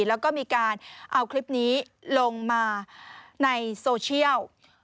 แล้วก็มีการเอาคลิปนี้ลงมาในโซเชียล